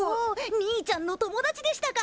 兄ちゃんの友達でしたか。